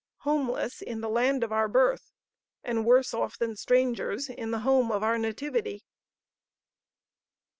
Homeless in the land of our birth and worse off than strangers in the home of our nativity."